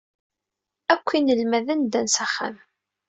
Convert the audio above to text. Akk inelmaden ddan s axxam.